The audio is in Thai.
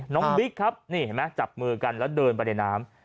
บิ๊กครับนี่เห็นไหมจับมือกันแล้วเดินไปในน้ำ